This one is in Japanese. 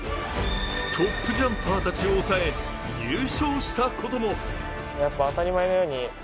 トップジャンパーたちを抑え優勝したことも。